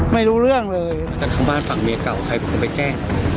ไม่รู้เรื่องเลยแต่ทั้งบ้านฝั่งเมียเก่าใครบอกว่าคงไปแจ้ง